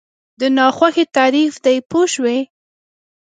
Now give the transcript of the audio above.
د ناخوښۍ تعریف دی پوه شوې!.